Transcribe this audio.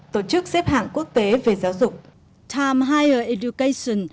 tổ chức xếp hạng quốc tế về giáo dục time higer education